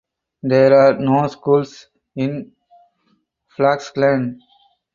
There are no schools in Blaxland.